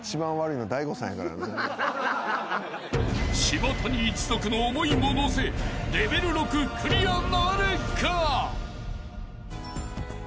［島谷一族の思いも乗せレベル６クリアなるか？］